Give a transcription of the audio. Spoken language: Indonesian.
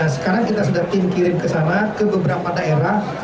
sekarang kita sudah tim kirim ke sana ke beberapa daerah